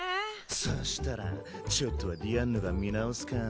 そしたらちょっとはディアンヌが見直すかもよ？